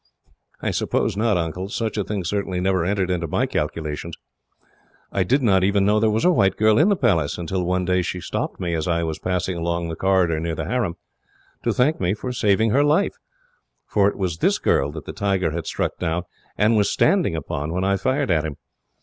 "I suppose not, Uncle. Such a thing certainly never entered into my calculations. I did not even know there was a white girl in the Palace, until one day she stopped me, as I was passing along the corridor near the harem, to thank me for saving her life for it was this girl that the tiger had struck down, and was standing upon, when I fired at him.